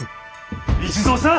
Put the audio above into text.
一蔵さあ！